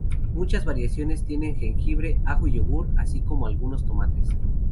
Muchas variaciones tienen jengibre, ajo y yogur, así como algunos tomates.